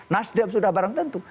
nasdem sudah barang tentu